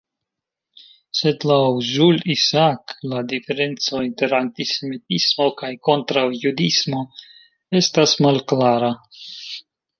Sed laŭ Jules Isaac la diferenco inter "antisemitismo" kaj "kontraŭjudismo" estas malklara.